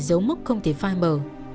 mãi mãi là giấu mức không thể phai mờ